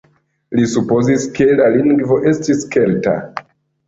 Li supozis, ke la lingvo estis kelta.